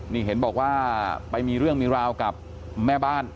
นี่เห็นบอกว่าไปมีเรื่องมีราวกับแม่บ้าน